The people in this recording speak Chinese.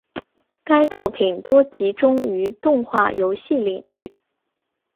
其作品多集中于动画游戏领域。